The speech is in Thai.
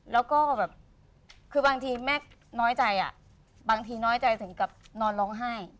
แล้วก็แบบคือบางทีแม่น้อยใจอ่ะบางทีน้อยใจถึงกับนอนร้องไห้